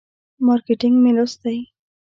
مارکیټینګ مې لوستی.